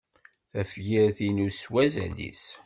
Tafyir-inu s wazal-is!